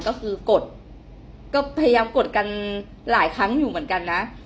ก็คือกดก็พยายามกดกันหลายครั้งอยู่เหมือนกันนะ